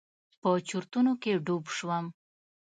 په چورتونو کښې ډوب سوم.